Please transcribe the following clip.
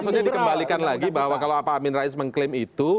maksudnya dikembalikan lagi bahwa kalau pak amin rais mengklaim itu